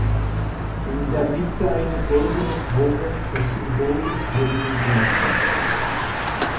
In der Mitte eine goldene Taube, das Symbol des Heiligen Geistes.